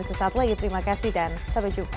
sesaat lagi terima kasih dan sampai jumpa